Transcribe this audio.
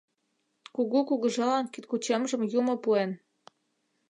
Кугу кугыжалан кидкучемжым юмо пуэн.